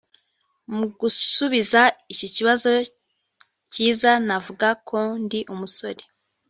Mu gusubiza iki kibazo cyiza navuga ko ndi umusore